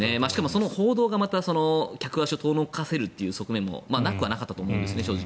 その報道がまた客足を遠のかせるという側面もなくはなかったと思います。